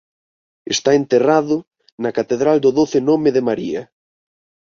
Está enterrado na catedral do Doce Nome de María.